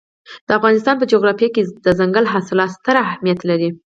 د افغانستان په جغرافیه کې دځنګل حاصلات ستر اهمیت لري.